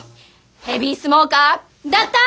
ヘビースモーカー！だった！